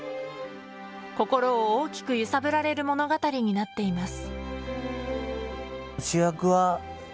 心を大きく揺さぶられる物語になっています。